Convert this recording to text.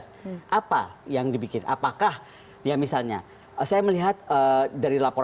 tapi yang bener mereka antar biasa juga kan pisa lagi tar jacket